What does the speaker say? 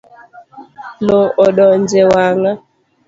Loo odonje wanga.